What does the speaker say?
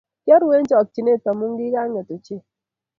kyaruu eng chakchinet amu kigangeet ochei